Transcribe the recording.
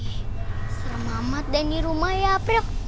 ih serem amat deh ini rumah ya priya